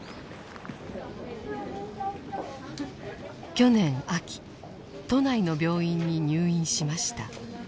去年秋都内の病院に入院しました。